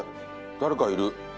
誰かいる。